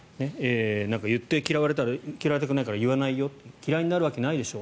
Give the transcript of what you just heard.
言って嫌われたくないから言わないよ嫌いになるわけないでしょ。